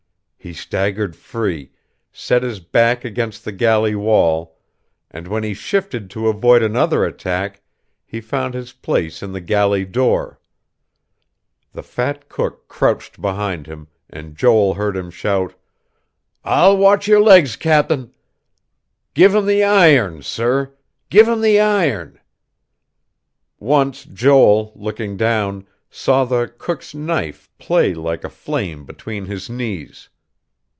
He staggered free, set his back against the galley wall; and when he shifted to avoid another attack, he found his place in the galley door. The fat cook crouched behind him, and Joel heard him shout: "I'll watch your legs, Cap'n. Give 'em the iron, sir. Give 'em th' iron." Once Joel, looking down, saw the cook's knife play like a flame between his knees....